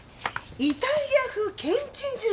イタリア風けんちん汁